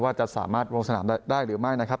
ว่าจะสามารถลงสนามได้หรือไม่นะครับ